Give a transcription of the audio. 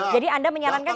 jadi anda menyarankan